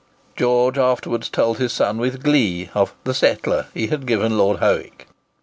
George afterwards told his son with glee of "the settler" he had given Lord Howick.